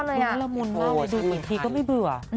อันนี้ละมุนมากไปดูกี่ทีก็ไม่เบื่อ